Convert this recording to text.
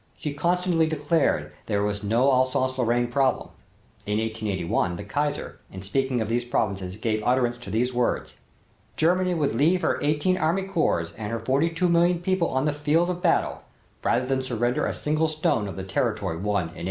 She constantly declared there was no Alsace Lorraine problem. In 1881, the Kaiser, in speaking of these provinces gave utterance to these words: "Germany would leave her eighteen army corps and her forty two million people on the field of battle rather than surrender a single stone of the territory won in 1871."